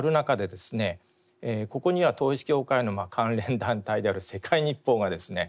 ここには統一教会の関連団体である世界日報がですね